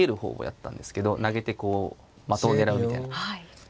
投げてこう的を狙うみたいな。